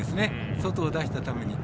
外を出したために。